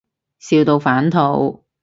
笑到反肚